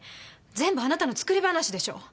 全部あなたの作り話でしょ。